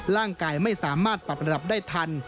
ร่างกายไม่สามารถปรับระดับได้ทัน